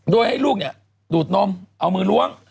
โดยให้ลูกดูดนมเอามือล้วง